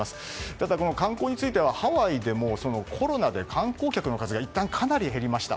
ただ観光についてはハワイでも観光客の数がいったんかなり減りました。